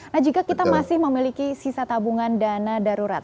nah jika kita masih memiliki sisa tabungan dana darurat